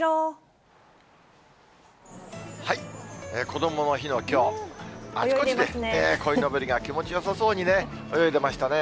こどもの日のきょう、あちこちでこいのぼりが気持ちよさそうにね、泳いでましたね。